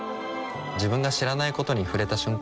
自分が知らないことに触れた瞬間